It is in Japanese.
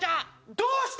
どうした？